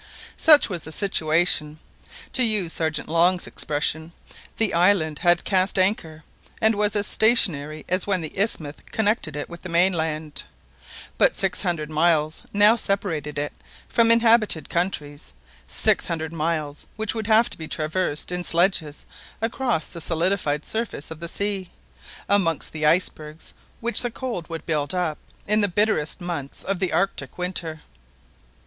Such was the situation. To use Sergeant Long's expression, the island had "cast anchor," and was as stationary as when the isthmus connected it with the mainland. But six hundred miles now separated it from inhabited countries, six hundred miles which would have to be traversed in sledges across the solidified surface of the sea, amongst the icebergs which the cold would build up, in the bitterest months of the Arctic winter.